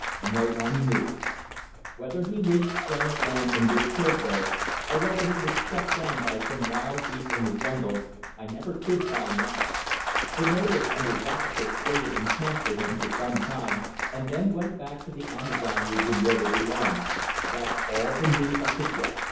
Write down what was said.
"No one knew. Whether he reached giant land and was killed there, or whether he was struck down by some wild beast in the jungle, I never could find out. The natives under Zacatas waited in camp for him for some time, and then went back to the Amazon region where they belonged. That's all the news I could get."